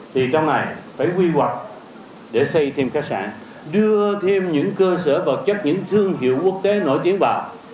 thì trong này phải quy hoạch để xây thêm khách sạn đưa thêm những cơ sở vật chất những thương hiệu quốc tế nổi tiếng vào